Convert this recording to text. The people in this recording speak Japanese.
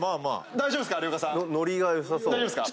大丈夫ですか？